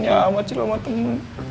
ya allah celo mateng